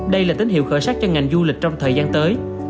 đây là tín hiệu khởi sắc cho ngành du lịch trong thời gian tới